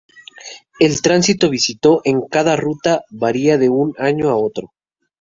El tránsito visto en cada ruta varía de un año a otro.